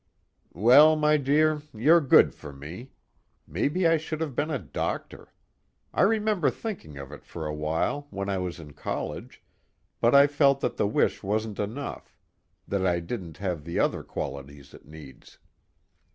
"Well, my dear, you're good for me. Maybe I should have been a doctor. I remember thinking of it for a while, when I was in college but I felt that the wish wasn't enough, that I didn't have the other qualities it needs."